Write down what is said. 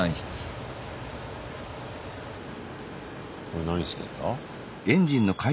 これ何してんだ？